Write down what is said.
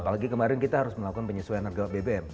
apalagi kemarin kita harus melakukan penyesuaian harga bbm